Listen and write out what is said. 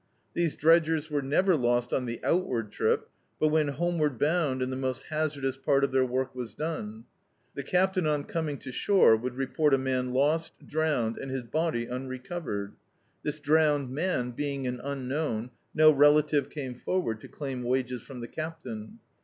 These dredgers were never lost on the outward trip, but when homeward bound, and the most hazardous part of their work was done. The captain, on coming to shore, would report a man lost, drowned, and his body imre covered. This drowned man, being an unknown, no relative came forward to claim wages from the captain.